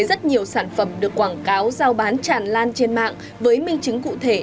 rất nhiều sản phẩm được quảng cáo giao bán tràn lan trên mạng với minh chứng cụ thể